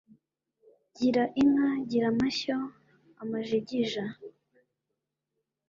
Gira inka, Gira amashyo amajigija